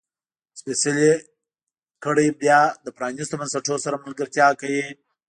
سپېڅلې کړۍ بیا له پرانیستو بنسټونو سره ملګرتیا کوي.